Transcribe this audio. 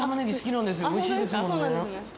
おいしいですもんね。